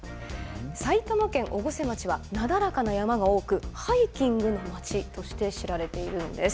埼玉県越生町はなだらかな山が多く、ハイキングの町として知られています。